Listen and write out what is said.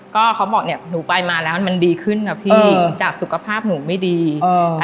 ก็เขาบอกเนี่ยหนูไปมาแล้วมันดีขึ้นนะพี่จากสุขภาพหนูไม่ดี